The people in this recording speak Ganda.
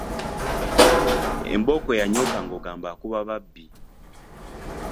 Embooko yanyooka ng’ogamba akuba babbi.